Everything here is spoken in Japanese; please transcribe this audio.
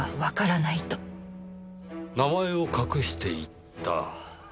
名前を隠して行った。